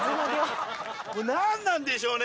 何なんでしょうね